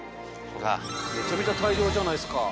めちゃめちゃ大量じゃないっすか。